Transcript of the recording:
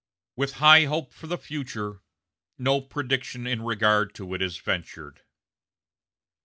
With high hope for the future, no prediction in regard to it is ventured.